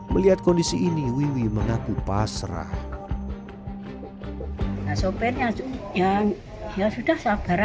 melihat kondisi ini wiwi mengaku pasrah